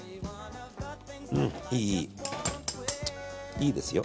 いいですよ。